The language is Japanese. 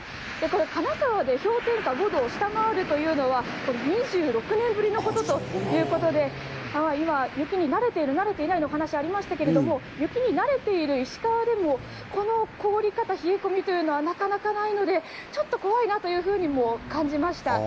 金沢で氷点下５度を下回るというのは２６年ぶりのことということで、今、雪に慣れている慣れていないの話ありましたけれど、雪に慣れている石川でもこの凍り方、冷え込みはなかなかないので、ちょっと怖いなというふうに感じました。